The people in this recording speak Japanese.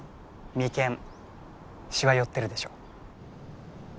眉間しわ寄ってるでしょ